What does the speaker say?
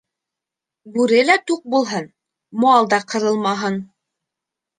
Бүре лә туҡ булһын, мал да ҡырылмаһын.